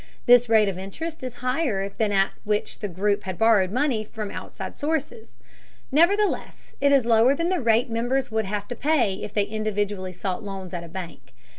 This rate of interest is higher than that at which the group had borrowed money from outside sources; nevertheless, it is lower than the rate members would have to pay if they individually sought loans at a bank.